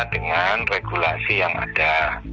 dengan regulasi yang ada